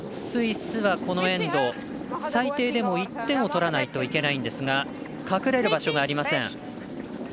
スイスは、このエンド最低でも１点を取らないといけないんですが隠れる場所がありません。